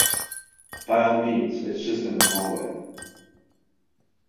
By all means, it’s just in the hallway.